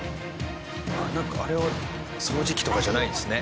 あれは掃除機とかじゃないんですね。